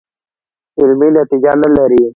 عملي نتیجه نه لري.